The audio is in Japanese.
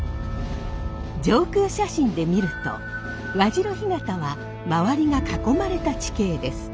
上空写真で見ると和白干潟は周りが囲まれた地形です。